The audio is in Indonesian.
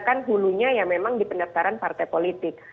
kan hulunya ya memang di pendaftaran partai politik